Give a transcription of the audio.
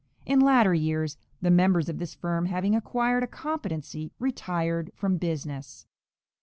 In latter years, the members of this firm having acquired a competency, retired from business.